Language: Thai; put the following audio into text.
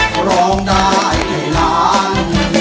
ก็ร้องได้ให้ล้าน